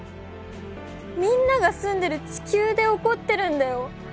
みんなが住んでる地球で起こってるんだよ？